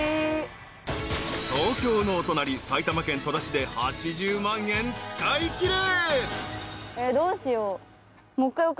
［東京のお隣埼玉県戸田市で８０万円使いきれ］